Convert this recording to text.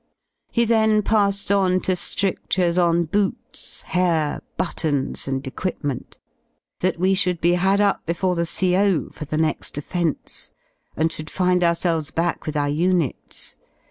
He then passed on to ^ridlures on boots, hair, buttons, and equipment: That we should be had up before the CO. for the next offence and should find ourselves back with our units.